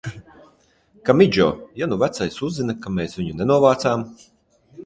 Kamidžo, ja nu vecais uzzina, ka mēs viņu nenovācām?